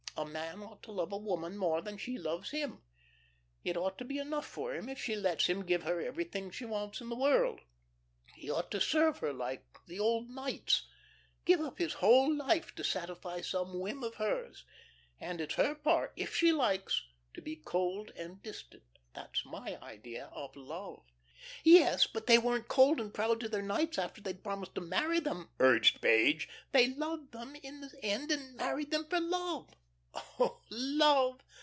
A man ought to love a woman more than she loves him. It ought to be enough for him if she lets him give her everything she wants in the world. He ought to serve her like the old knights give up his whole life to satisfy some whim of hers; and it's her part, if she likes, to be cold and distant. That's my idea of love." "Yes, but they weren't cold and proud to their knights after they'd promised to marry them," urged Page. "They loved them in the end, and married them for love." "Oh, 'love'!"